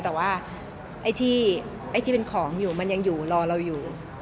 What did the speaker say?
แต่ว่าไอ้ที่ไอ้ที่เป็นของอยู่มันยังอยู่รอเราอยู่